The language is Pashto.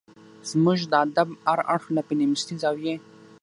زموږ د ادب هر اړخ له فيمنستي زاويې